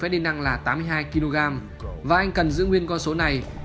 hiện tại cân nặng của ferdinand là tám mươi hai kg và anh cần giữ nguyên con số này